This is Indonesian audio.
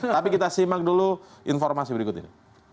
tapi kita simak dulu informasi berikut ini